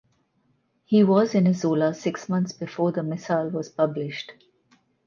He was in Izola six months before the missal was published.